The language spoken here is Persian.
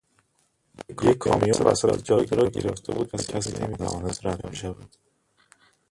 یک کامیون وسط جاده را گرفته بود و کسی نمیتوانست رد بشود.